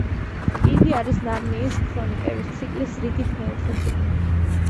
იგი არის ნარნიის ქრონიკების ციკლის რიგით მეოთხე წიგნი.